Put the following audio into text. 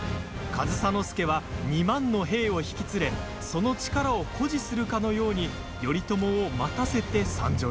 上総介は２万の兵を引き連れその力を誇示するかのように頼朝を待たせて参上します。